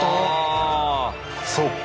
そっか。